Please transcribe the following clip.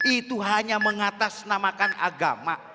itu hanya mengatasnamakan agama